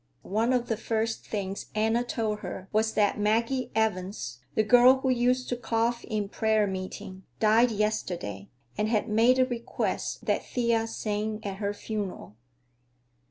One of the first things Anna told her was that Maggie Evans, the girl who used to cough in prayer meeting, died yesterday, and had made a request that Thea sing at her funeral.